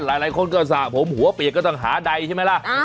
หลายคนก็สระผมหัวเปียกก็ต้องหาใดใช่ไหมล่ะ